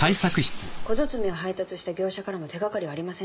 小包を配達した業者からも手掛かりはありませんでした。